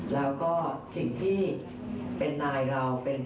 แล้วก็สิ่งที่เป็นนายเรา